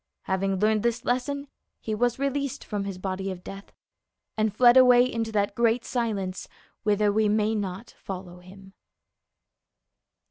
Having learned this lesson, he was released from his body of death and fled away into that great silence whither avc may not follow him.